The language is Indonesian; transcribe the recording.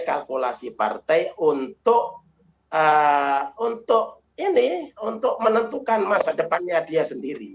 kalkulasi partai untuk menentukan masa depannya dia sendiri